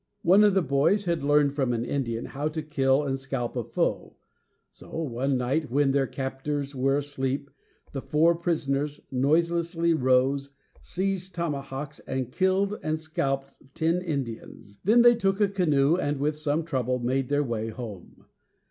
One of the boys had learned from an Indian how to kill and scalp a foe; so one night, when their captors were asleep, the four prisoners noiselessly rose, seized tomahawks, and killed and scalped ten Indians. Then they took a canoe, and with some trouble made their way home.